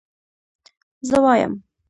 زه وايم